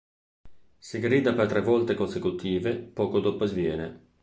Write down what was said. Se grida per tre volte consecutive, poco dopo sviene.